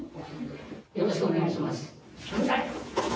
よろしくお願いします。